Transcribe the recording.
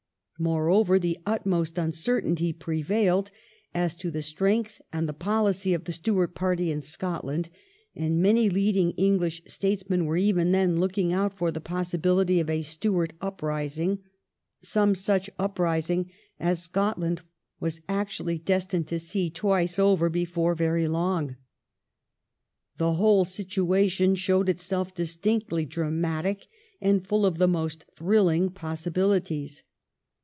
Moreover, the utmost uncertainty prevailed as to the strength and the policy of the Stuart party in Scotland, and many leading English statesmen were even then looking out for the possibility of a Stuart uprising, some such uprising as Scotland was actually destined to see twice over before very long. The whole situation showed itself distinctly dramatic and full of the most thrilling possibilities.